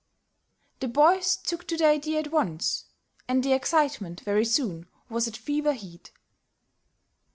The boys took to the idea at once, and the excitement very soon was at fever heat.